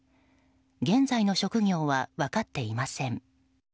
現在の職業は分かっていません。